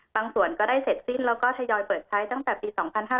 บางส่วนได้เสร็จสิ้นแล้วทะยอยเปิดใช้ตั้งแต่ปี๒๕๕๓